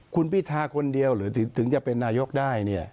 คุณพิทาคนเดียวหรือถึงจะเป็นนายกได้เนี่ย